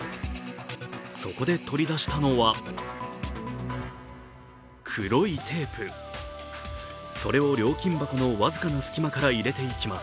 そこで取り出したのは、黒いテープそれを料金箱の僅かな隙間から入れていきます。